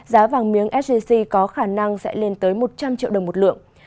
giá vàng miếng sgc có khả năng sẽ lên tới một trăm linh triệu đồng một lượng